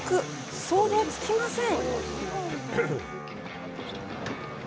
想像つきません！